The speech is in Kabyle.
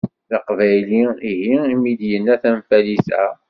D aqbayli ihi imi d-yenna tanfalit-a?